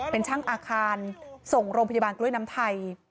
เป็นช่างอาคารส่งโรงพยาบาลกล้วยน้ำไทย